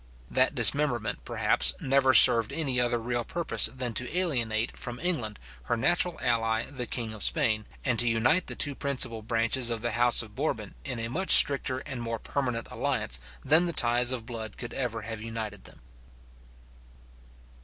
That dismemberment, perhaps, never served any other real purpose than to alienate from England her natural ally the king of Spain, and to unite the two principal branches of the house of Bourbon in a much stricter and more permanent alliance than the ties of blood could ever have united them.